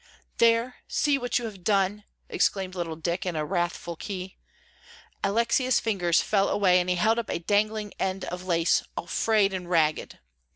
"There, see what you have done!" exclaimed little Dick, in a wrathful key. Alexia's fingers fell away, and he held up a dangling end of lace, all frayed and ragged.